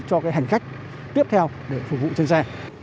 cho cái hành khách tiếp theo để phục vụ trên xe